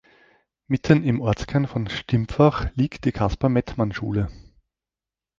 Mitten im Ortskern von Stimpfach liegt die Kaspar-Mettmann-Schule.